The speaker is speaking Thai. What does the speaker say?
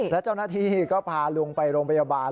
และเจ้าหน้าที่ก็พาลุงไปโรงพยาบาล